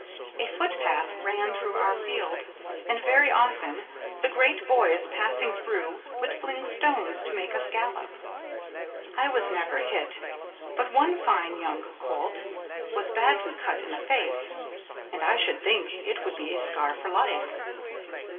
A footpath ran through our field, and very often the great boys passing through would fling stones to make us gallop. I was never hit, but one fine young colt was badly cut in the face, and I should think it would be a scar for life.